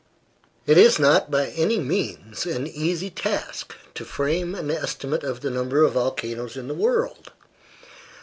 It is not by any means an easy task to frame an estimate of the number of volcanoes in the world.